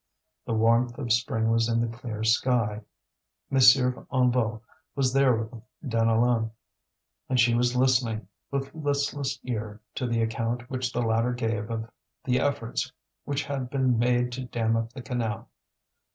The warmth of spring was in the clear sky. M. Hennebeau was there with Deneulin, and she was listening, with listless ear, to the account which the latter gave her of the efforts which had been made to dam up the canal.